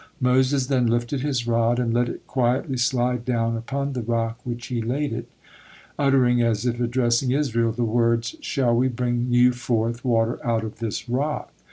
Moses then lifted his rod and let it quietly slide down upon the rock which he laid it, uttering, as if addressing Israel, the words, "Shall we bring you forth water out of this rock?"